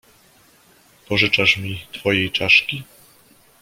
"Pożyczasz mi twojej czaszki."